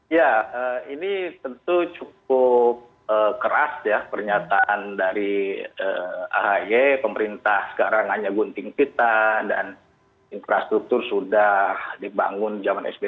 ya ini tentu cukup keras ya pernyataan dari ahy pemerintah sekarang hanya gunting pita dan infrastruktur sudah dibangun zaman sby